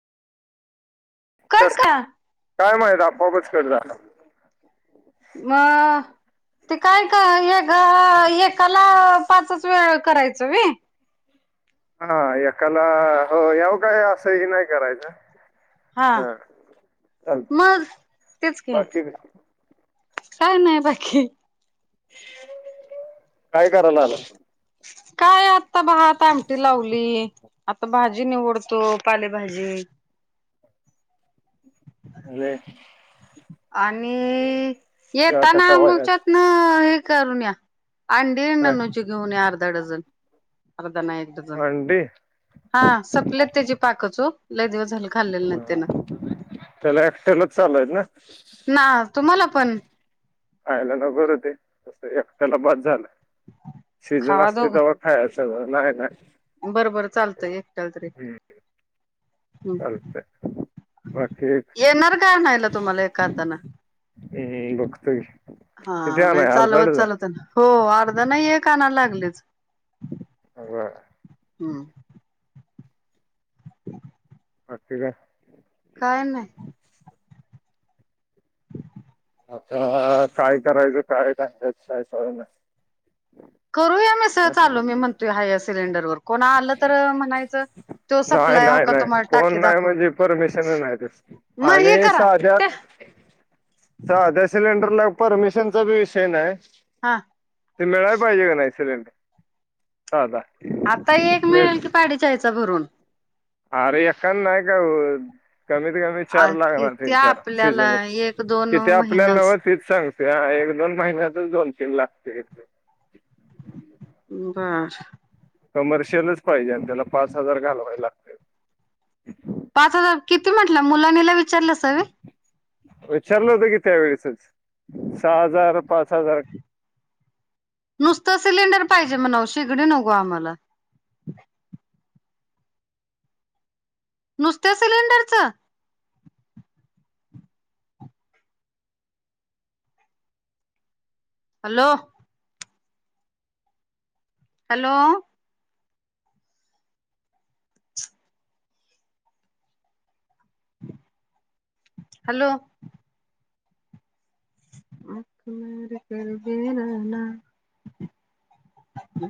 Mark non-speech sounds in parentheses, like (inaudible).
Cut तस का काय माहिती आपोआप कट झाला. म ते काय कळ एकाला पाचच वेळा करत्यात. तुम्ही हा एकाला हो याव काय असंही नाही करायचं. हा चालते मग तेच की. बाकी काय नाही बाकी. (inaudible) काय करालालाय. काय आता भात आमटी लावली आता भाजी निवडतो पालेभाजी. अरे आणि ते आता येताना कवा यायचं? मुलच्यात न करून या. अंडी आणा काय मग शिजवून घेतो. अर्धा डझन नाही एक डझन अंडी हा संपल्यात त्याची पाकच ओ झालं खाल्लेलं नाहीत त्यानं. ह त्याला एकट्यालाच चालू आहेत ना? ना तुम्हाला पण खायला न बर ते एकट्याला बास झालं. सीजर असते तवा खाया नाही नाही. बरबरं चालतंय एकट्याला तर हम्म, एकट्याला. चालतंय हम बाकी येणार काय आणायला तुम्हाला एका हाताना हम्म, बघतोय किती हा नाही आणाय अर्धा चालवत डझन चालवत या हां अर्धा नाही एक आना लागलेत. बर. हम्म वाटते काय. काय नाही अ काय करायचं काय त्यांय स करूया मीसळ चालू मी म्हणतो ह्या या सिलेंडरवरर नाही सप्लाय हो नाही का नाही तुम्हाला फन टाकी नाही दाखवतो म्हणजे परमिशन नाही मग आणि हे करा साध्या ते साध्या सिलेंडर परमिशनचाी विषय नाही हा ते मिळायला पाहिजे का नाही सरी ह द आता एक मिळेल की पाडीच्यायचा भरून आर एकान नाय का कमीत कमी चार लागणार किती तीन चार आपल्याला सीजन एक दोन किथे आपल्याला महिनाच नवं तीच सांग त्या एक दोन महिन्यात जोनशेन लागते का कमर्शियलच पाहिजे आणि त्याला पाच हजार घालवाय लागते पाच हजार किती म्हट मुलानीला विचारलं विचारलं होत की त्या वेळेसच सहा हजार पाच हजार नुसतं सिलेंडर पाहिजे म्हणाव शिगडी नको आम्हाला नुसत्या सिलेंडरचं हॅलो हॅलो हॅलो म मर बर ना